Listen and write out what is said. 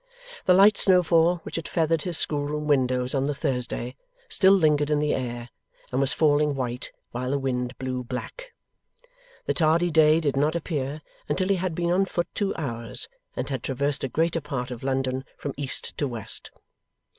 The light snowfall which had feathered his schoolroom windows on the Thursday, still lingered in the air, and was falling white, while the wind blew black. The tardy day did not appear until he had been on foot two hours, and had traversed a greater part of London from east to west.